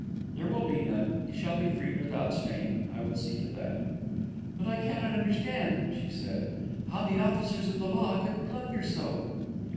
"There will be none; he shall be freed without stain I will see to that." "But I cannot understand," she said, "how the officers of the law could blunder so."